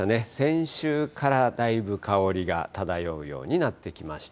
先週からだいぶ香りが漂うようになってきました。